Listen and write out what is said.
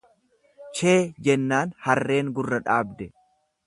Chee jennaan harreen gurra dhaabde.